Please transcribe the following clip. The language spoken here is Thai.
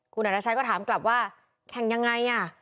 คุณอรัชชัยก็ถามกลับว่าแข่งยังไงอ่ะ